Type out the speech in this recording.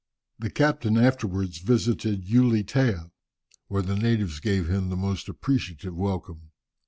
The captain afterwards visited Ulietea, where the natives gave him the most appreciative welcome.